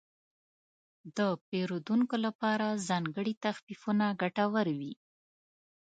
د پیرودونکو لپاره ځانګړي تخفیفونه ګټور وي.